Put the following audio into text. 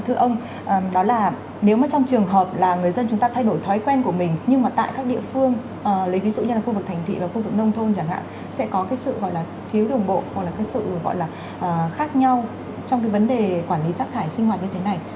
thưa ông đó là nếu mà trong trường hợp là người dân chúng ta thay đổi thói quen của mình nhưng mà tại các địa phương lấy ví dụ như là khu vực thành thị và khu vực nông thôn chẳng hạn sẽ có cái sự gọi là thiếu đồng bộ hoặc là cái sự gọi là khác nhau trong cái vấn đề quản lý rác thải sinh hoạt như thế này